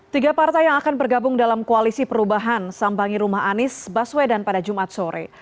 tiga partai yang akan bergabung dalam koalisi perubahan sambangi rumah anies baswedan pada jumat sore